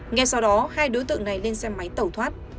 nghe sau đó hai đối tượng này lên xem máy tẩu thoát